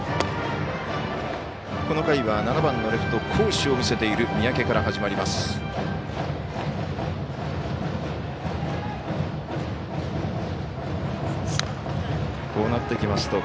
この回は７番のレフト好守を見せている三宅から始まります。